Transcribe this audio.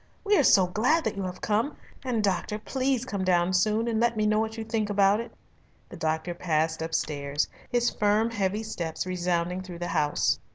"We are so glad that you have come. And, doctor, please come down soon and let me know what you think about it." The doctor passed upstairs, his firm, heavy steps resounding through the house.